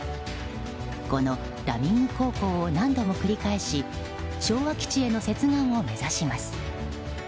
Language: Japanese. このラミング航行を何度も繰り返し昭和基地への接岸を目指します。